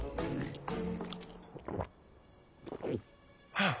はあ。